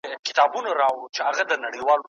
یوازې تمرین د کالوري سوځولو محدوده لاره ده.